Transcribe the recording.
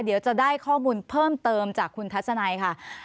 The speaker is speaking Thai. เดี๋ยวจะได้ข้อมูลเพิ่มเติมจากคุณทัศนัยค่ะ